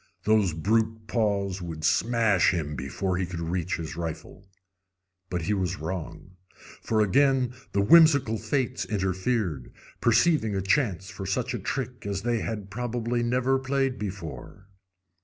Those brute paws would smash him before he could reach his rifle. But he was wrong, for again the whimsical Fates interfered, perceiving a chance for such a trick as they had probably never played before.